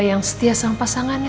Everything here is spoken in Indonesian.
yang setia sama pasangannya